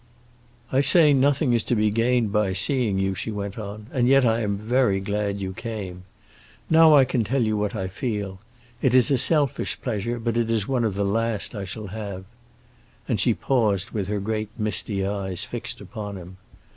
"I say nothing is to be gained by my seeing you," she went on, "and yet I am very glad you came. Now I can tell you what I feel. It is a selfish pleasure, but it is one of the last I shall have." And she paused, with her great misty eyes fixed upon him.